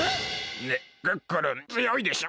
ねっクックルンつよいでしょ？